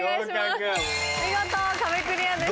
見事壁クリアです。